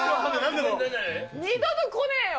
二度と来ねぇよ。